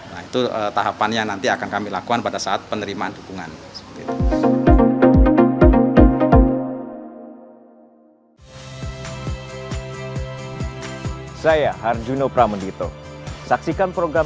nah itu tahapan yang nanti akan kami lakukan pada saat penerimaan dukungan